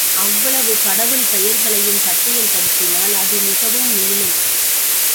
அவ்வளவுகடவுள் பெயர்களையும் பட்டியல் படுத்தினால் அது மிகவும் நீளும்.